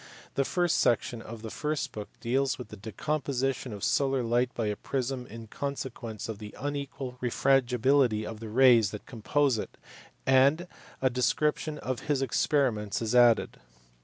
The first section of the first book deals with the decomposition of solar light by a prism in consequence of the unequal re frangibility of the rays that compose it, and a description of his experiments is added.